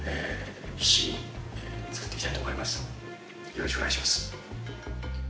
よろしくお願いします。